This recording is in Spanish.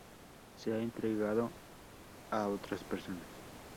Se ha entregado a otras personas.